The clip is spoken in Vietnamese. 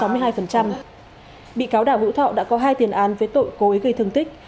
bị cáo đảo hữu thọ đã có hai tiền án với tội cố ấy gây thương tích